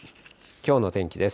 きょうの天気です。